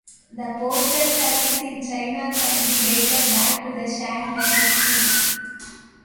The postal service in China can be dated back to the Shang Dynasty.